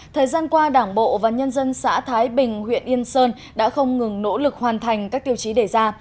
thời gian qua đảng bộ và nhân dân xã thái bình huyện yên sơn đã không ngừng nỗ lực hoàn thành các tiêu chí đề ra